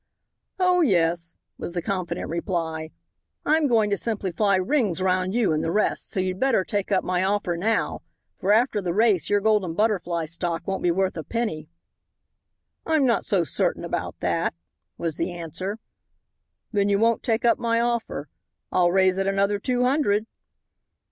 "Oh, yes," was the confident reply, "I'm going to simply fly rings round you and the rest, so you'd better take up my offer now, for after the race your Golden Butterfly stock won't be worth a penny." "I'm not so certain about that," was the answer. "Then you won't take up my offer. I'll raise it another two hundred."